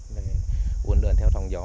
để uốn lượn theo thòng gió